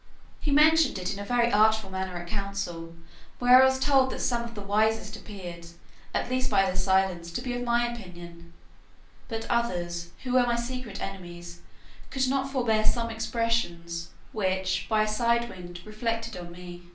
He mentioned it in a very artful manner at council, where I was told that some of the wisest appeared, at least by their silence, to be of my opinion; but others, who were my secret enemies, could not forbear some expressions which, by a side wind, reflected on me.